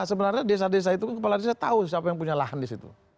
sebenarnya desa desa itu kan kepala desa tahu siapa yang punya lahan di situ